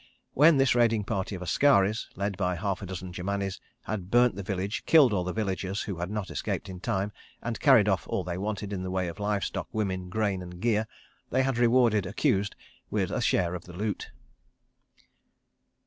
... When this raiding party of askaris, led by half a dozen Germanis, had burnt the village, killed all the villagers who had not escaped in time, and carried off all they wanted in the way of livestock, women, grain and gear, they had rewarded accused with a share of the loot.